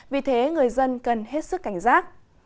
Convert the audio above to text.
vì thế người dân cần hết sức cảnh giác